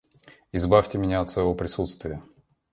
Избавьте меня от своего присутствия.